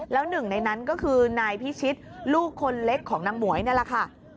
แล้วหนึ่งในนั้นก็คือนายพิชิตลูกคนเล็กของนางหมวยนี่แหละค่ะ